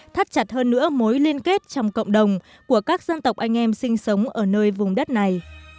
thắt chặt hơn nữa mối liên kết trong cộng đồng của các dân tộc anh em sinh sống ở nơi vùng đất này